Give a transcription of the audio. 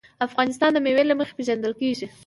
افغانستان د مېوې له مخې پېژندل کېږي.